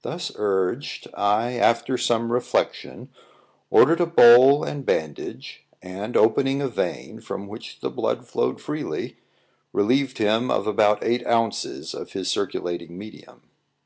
Thus urged, I, after some reflection, ordered a bowl and bandage, and opening a vein, from which the blood flowed freely, relieved him of about eight ounces of his circulating medium.